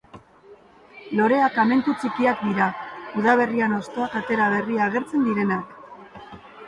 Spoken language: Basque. Loreak amentu txikiak dira, udaberrian hostoak atera berri agertzen direnak.